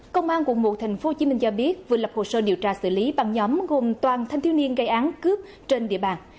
công an quận một tp hcm cho biết vừa lập hồ sơ điều tra xử lý bằng nhóm gồm toàn thanh thiếu niên gây án cướp trên địa bàn